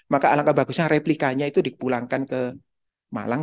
maka alangkah bagusnya replikanya itu dipulangkan ke malang